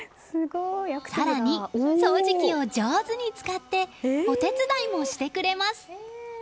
更に、掃除機を上手に使ってお手伝いもしてくれます。